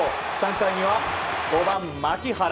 ３回には５番、槙原。